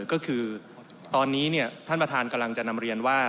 ก็คือตอนนี้ท่านประธานกำลังจะนำเรียนว่า